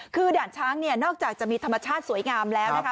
คือด่านช้างเนี่ยนอกจากจะมีธรรมชาติสวยงามแล้วนะคะ